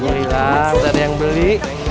boleh lah udah ada yang beli